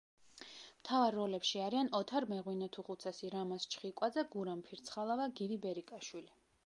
მთავარ როლებში არიან: ოთარ მეღვინეთუხუცესი, რამაზ ჩხიკვაძე, გურამ ფირცხალავა, გივი ბერიკაშვილი.